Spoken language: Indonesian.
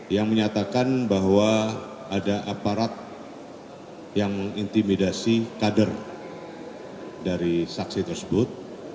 yang menyatakan bahwa ada aparat yang mengintimidasi kader dari saksi tersebut